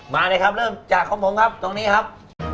มาเลยครับเริ่มจากของผมครับตรงนี้ครับ